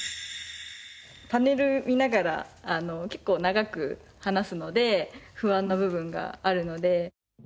パネル見ながら結構長く話すので不安な部分があるので。